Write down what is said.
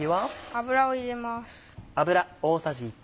油を入れます。